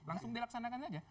langsung dilaksanakan saja